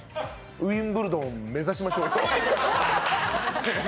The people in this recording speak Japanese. ウィンブルドン目指しましょうよ。